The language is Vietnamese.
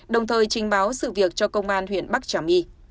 trọng xin báo sự việc cho công an huyện bắc trà my